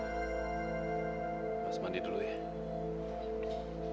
mas mandi dulu ya